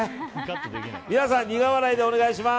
皆さん、苦笑いでお願いします。